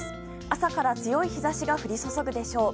朝から強い日差しが降り注ぐでしょう。